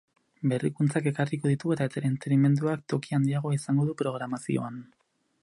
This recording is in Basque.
Berrikuntzak ekarriko ditu eta entretenimenduak toki handiagoa izango du programazioan.